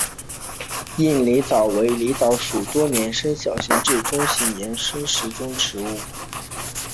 硬狸藻为狸藻属多年生小型至中型岩生食虫植物。